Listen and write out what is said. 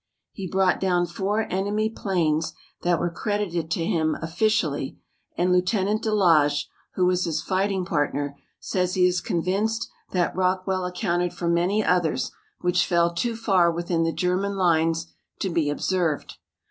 He brought down four enemy planes that were credited to him officially, and Lieutenant de Laage, who was his fighting partner, says he is convinced that Rockwell accounted for many others which fell too far within the German lines to be observed.